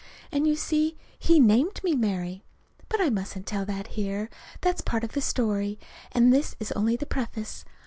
And you see, he named me Mary But I mustn't tell that here. That's part of the story, and this is only the Preface.